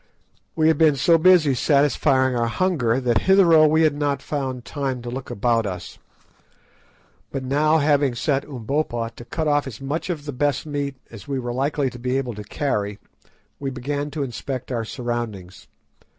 We had been so busy satisfying our hunger that hitherto we had not found time to look about us. But now, having set Umbopa to cut off as much of the best meat as we were likely to be able to carry, we began to inspect our surroundings.